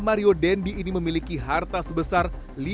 mario dendi ini memiliki harta sebesar